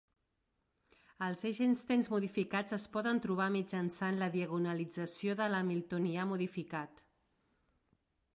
Els eigenstates modificats es poden trobar mitjançant la diagonalització del hamiltonià modificat.